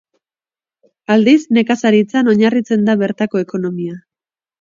Aldiz, nekazaritzan oinarritzen da bertako ekonomia.